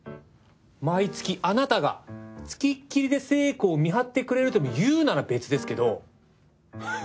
毎月あなたがつきっきりで聖子を見張ってくれるとでも言うなら別ですけど。